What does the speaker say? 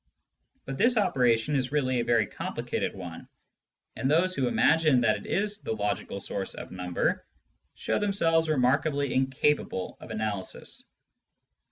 But this operation is really a very complicated one, and those who imagine that it is the logical source of number show themselves remarkably incapable of analysis.